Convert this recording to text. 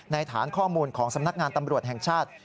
ฐานข้อมูลของสำนักงานตำรวจแห่งชาติ